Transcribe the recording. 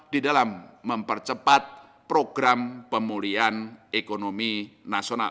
di dalam mempercepat program pemulihan ekonomi nasional